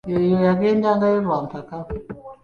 Eyo yagendayo lwa mpaka.